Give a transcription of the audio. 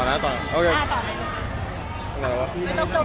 ไม่ต้องจบดี